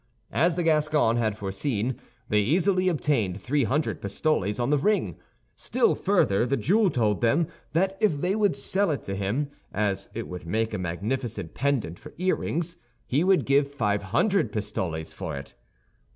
As the Gascon had foreseen, they easily obtained three hundred pistoles on the ring. Still further, the Jew told them that if they would sell it to him, as it would make a magnificent pendant for earrings, he would give five hundred pistoles for it.